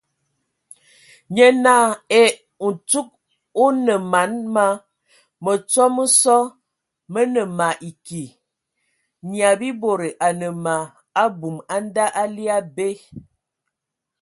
Nye naa : Ee ! Ndzug o nǝman ma! Mǝtsɔ mə sɔ mə nǝ ma eki, Nyiabibode a nǝ ma abum a nda ali abe !